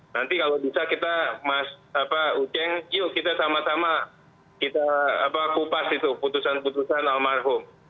nanti kalau bisa kita mas uceng yuk kita sama sama kita kupas itu putusan putusan almarhum